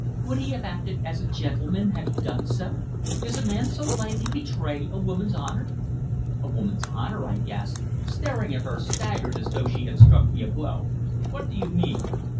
"Would he have acted as a gentleman had he done so? Does a man so lightly betray a woman's honour?" "A woman's honour!" I gasped, staring at her, staggered as though she had struck me a blow. "What do you mean?"